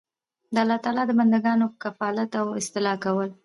د الله تعالی د بندګانو کفالت او اصلاح کول